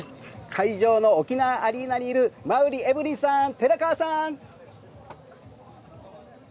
会場の沖縄アリーナにいる馬瓜エブリンさん、寺川さん！